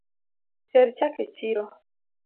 Ter chak e chiro